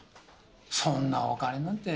そんなお金なんて。